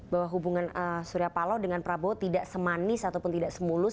bahwa hubungan surya paloh dengan prabowo tidak semanis ataupun tidak semulus